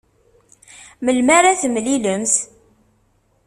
Melmi ara temlilemt?